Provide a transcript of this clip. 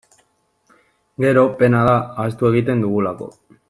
Gero, pena da, ahaztu egiten dugulako.